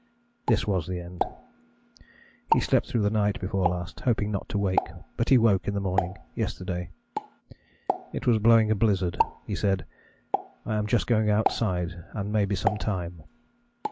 This was the end. He slept through the night before last, hoping not to wake; but he woke in the morning yesterday. It was blowing a blizzard. He said, 'I am just going outside and may be some time.'